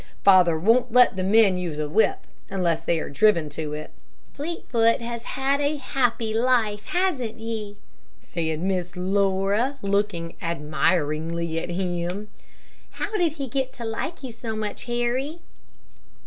Father won't let the men use a whip, unless they are driven to it." "Fleetfoot has had a happy life, hasn't he?" said Miss Laura, looking admiringly at him. "How did he get to like you so much, Harry?"